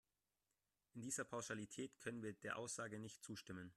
In dieser Pauschalität können wir der Aussage nicht zustimmen.